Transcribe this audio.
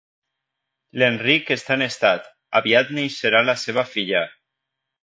L'Enric està en estat, aviat neixerà la seva filla